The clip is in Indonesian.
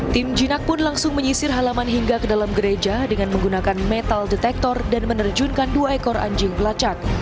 tim jinak pun langsung menyisir halaman hingga ke dalam gereja dengan menggunakan metal detektor dan menerjunkan dua ekor anjing belacak